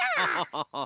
ハハハハ。